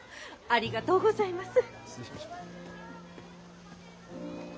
ありがとうございます。